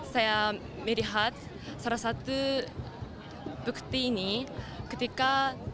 saya melihat salah satu bukti ini ketika